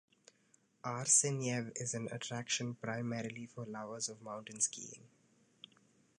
Arsenyev is an attraction primarily for lovers of mountain-skiing.